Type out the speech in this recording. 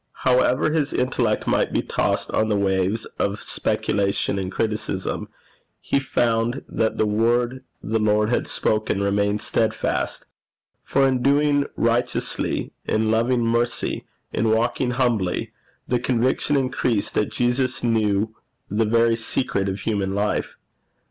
However his intellect might be tossed on the waves of speculation and criticism, he found that the word the Lord had spoken remained steadfast; for in doing righteously, in loving mercy, in walking humbly, the conviction increased that Jesus knew the very secret of human life.